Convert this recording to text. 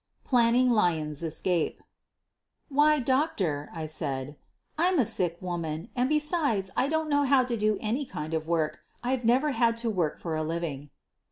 PLANNING LYONS *S ESCAPE "Why, Doctor," I said, "I'm a sick woman, and besides I don't know how to do any kind of work, I've never had to work for a living."